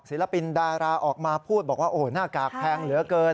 ศิลปินดาราออกมาพูดบอกว่าโอ้โหหน้ากากแพงเหลือเกิน